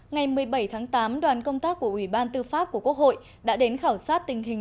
ngày một mươi bảy tháng tám đoàn công tác của ủy ban tư pháp của quốc hội đã đến khảo sát tình hình